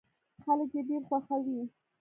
خلک يې ډېر خوښوي.